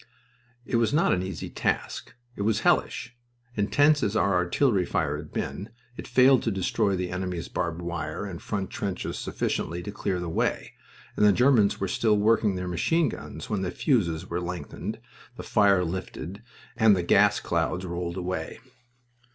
It was not an easy task. It was hellish. Intense as our artillery fire had been, it failed to destroy the enemy's barbed wire and front trenches sufficiently to clear the way, and the Germans were still working their machine guns when the fuses were lengthened, the fire lifted, and the gas clouds rolled away.